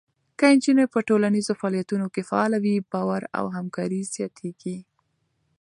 که نجونې په ټولنیزو فعالیتونو کې فعاله وي، باور او همکاري زیاته کېږي.